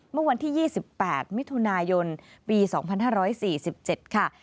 เมื่อวันที่๒๘มิถุนายนปี๒๕๔๗ค่ะ